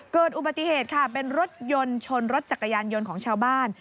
เกิดอุบัติเหตุค่ะเป็นรถยนต์ชนรถจักรยานยนต์ของชาวบ้าน